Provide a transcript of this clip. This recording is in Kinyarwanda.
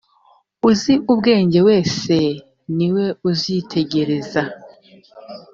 uzi ubwenge wese ni we uzitegereza